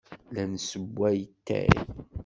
La d-nessewway atay.